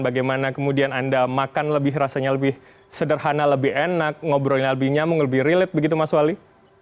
bagaimana kemudian anda makan rasanya lebih sederhana lebih enak ngobrolin lebih nyambung lebih relate begitu mas wali